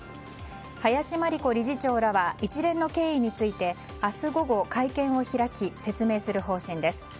林真理子理事長らは一連の経緯について明日午後、会見を開き説明する方針です。